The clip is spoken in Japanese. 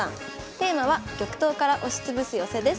テーマは「玉頭から押しつぶす寄せ」です。